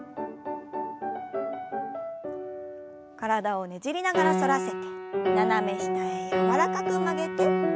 体をねじりながら反らせて斜め下へ柔らかく曲げて。